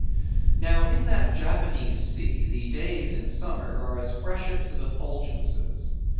Now, in that Japanese sea, the days in summer are as freshets of effulgences.